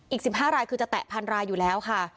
อีก๑๕รายคือจะแตะพันรายอยู่แล้วค่ะ